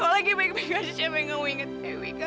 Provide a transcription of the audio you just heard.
kalau lagi baik baik aja siapa yang mau inget dewi kan